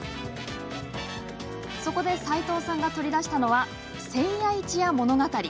そこで齋藤さんが取り出したのは「千夜一夜物語」。